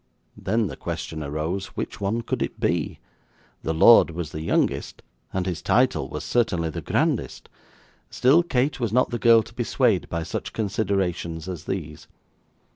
Then the question arose, which one could it be. The lord was the youngest, and his title was certainly the grandest; still Kate was not the girl to be swayed by such considerations as these.